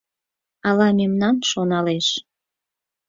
Ала мемнам шоналеш.